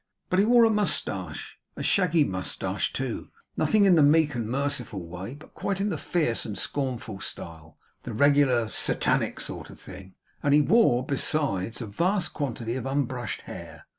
But he wore a moustache a shaggy moustache too; nothing in the meek and merciful way, but quite in the fierce and scornful style; the regular Satanic sort of thing and he wore, besides, a vast quantity of unbrushed hair.